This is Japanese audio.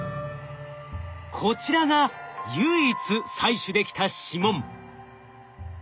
こちらが唯一採取できた指紋。